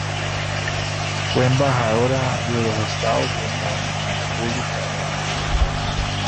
Fue embajadora de los Estados Unidos en la República de Panamá.